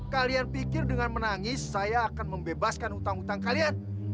kalian pikir dengan menangis saya akan membebaskan utang utang kalian